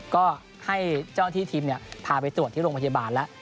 ก็ให้เจ้าที่ทีมเนี่ยพาไปตรวจที่โรงพยาบาลแล้ว